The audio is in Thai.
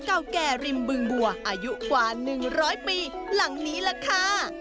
เก่าแก่ริมบึงบัวอายุกว่า๑๐๐ปีหลังนี้ล่ะค่ะ